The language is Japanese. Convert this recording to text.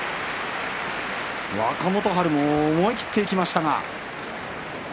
若元春も思い切っていきました。